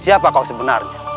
siapa kau sebenarnya